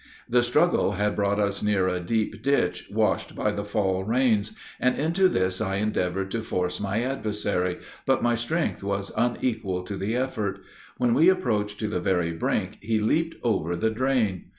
The struggle had brought us near a deep ditch, washed by the fall rains, and into this I endeavored to force my adversary, but my strength was unequal to the effort; when we approached to the very brink, he leaped over the drain.